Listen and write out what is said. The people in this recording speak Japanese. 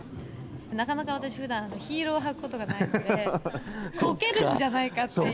なかなか私、ふだん、ヒールを履くことがないので、こけるんじゃないかっていう。